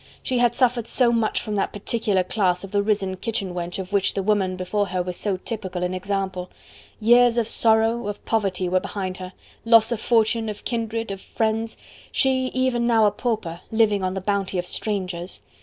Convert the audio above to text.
She had suffered so much from that particular class of the risen kitchen wench of which the woman before her was so typical an example: years of sorrow, of poverty were behind her: loss of fortune, of kindred, of friends she, even now a pauper, living on the bounty of strangers.